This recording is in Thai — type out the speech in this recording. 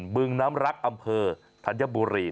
บึงน้ำรักอำเภอธัญบุรี